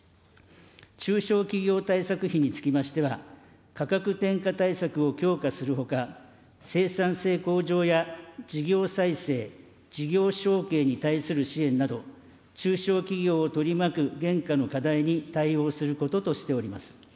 中小企業対策費につきましては、価格転嫁対策を強化するほか、生産性向上や事業再生、事業承継に対する支援など、中小企業を取り巻く現下の課題に対応することとしております。